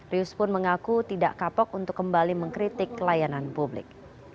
rius pun mengaku tidak kapok untuk kembali mengkritik layanan publik